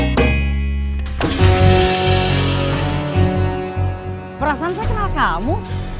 masih belum selesai kamu